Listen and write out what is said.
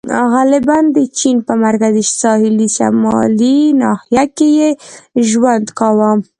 • غالباً د چین په مرکزي ساحلي شمالي ناحیه کې یې ژوند کاوه.